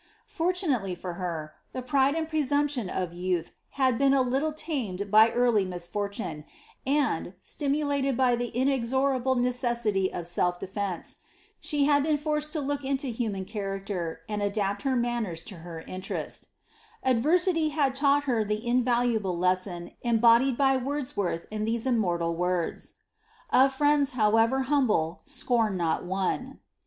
Fortunately for her, the pride and pieemnption of youth Imd been a little tamed by early misfortune, and, stimulated by the inexorable na* cessity of self defence, she had been forced to look into human chaiae* ter and adapt her manners to her interest AdTcrnty had taught har the invaluable Icason embodied by Wofdswcnrth in these immoflal words — "Of firiendi, bowever hnmble, noni not one."